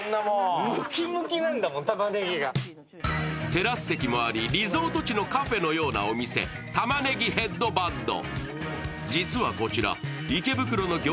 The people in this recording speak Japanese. テラス席もありリゾート地のカフェのようなお店、タマネギヘッドバッド。